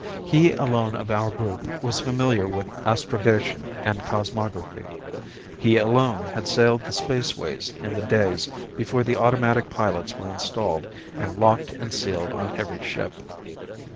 He alone of our group was familiar with astrogation and cosmography. He alone had sailed the spaceways in the days before the automatic pilots were installed and locked and sealed on every ship.